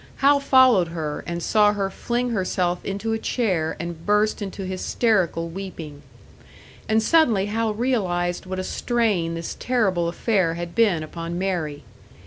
Hal followed her, and saw her fling herself into a chair and burst into hysterical weeping. And suddenly Hal realised what a strain this terrible affair had been upon Mary.